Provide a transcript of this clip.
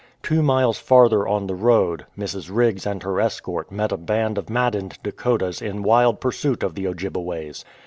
Two miles farther on the road, Mrs. Riggs and her escort met a band of maddened Dakotas in wild pursuit of the Ojjibeways.